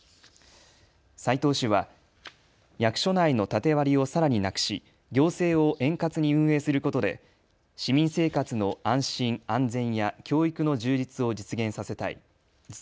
斉藤氏は役所内の縦割りをさらになくし、行政を円滑に運営することで市民生活の安心・安全や教育の充実を実現したい。